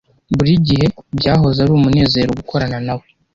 Buri gihe byahoze ari umunezero gukorana nawe.